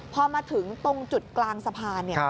พอมาถึงตรงจุดกลางสะพาน